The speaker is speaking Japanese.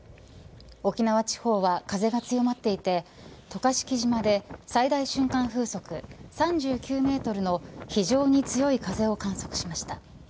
沖縄地方は風が強まっていて渡嘉敷島で最大瞬間風速３９メートルの非常に強い風を観測しました。